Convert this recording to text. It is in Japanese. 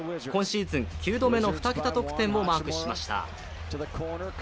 今シーズン９度目の２桁得点をマークしました。